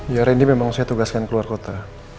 ya rendy memang saya tugaskan keluar kota